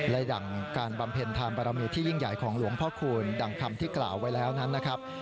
และดั่งการบำเพ็ญทานบารมีที่ยิ่งใหญ่ของหลวงพ่อคูณดังคำที่กล่าวไว้แล้วนั้นนะครับ